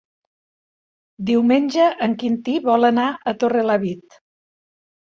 Diumenge en Quintí vol anar a Torrelavit.